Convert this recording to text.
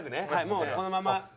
もうこのまま。